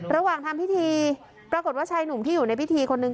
ระหว่างทำพิธีปรากฏว่าชายหนุ่มที่อยู่ในพิธีคนหนึ่ง